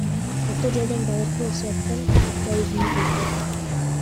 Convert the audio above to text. Орто жолдон — Байыркы Осуяттан да үзүндү келтирет.